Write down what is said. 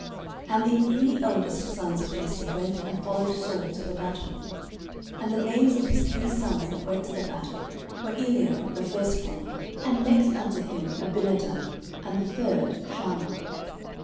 09:017:013 And the three eldest sons of Jesse went and followed Saul to the battle: and the names of his three sons that went to the battle were Eliab the firstborn, and next unto him Abinadab, and the third Shammah.